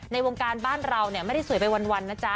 ในวงการบ้านเราไม่ได้สวยไปวันนะจ๊ะ